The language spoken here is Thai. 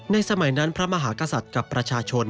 สมัยนั้นพระมหากษัตริย์กับประชาชน